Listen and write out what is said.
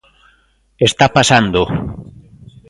Está pasando.